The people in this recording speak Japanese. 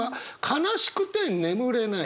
「悲しくて眠れない」。